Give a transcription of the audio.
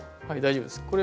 はい大丈夫ですよ。